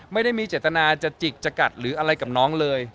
ไม่ได้มีเจตนาจะจิกจะกัดหรืออะไรกับน้องเลย